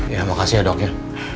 ya makasih ya dok ya